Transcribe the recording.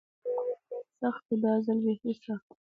جميلې وويل:: ډېر سخت و، دا ځل بیخي سخت و.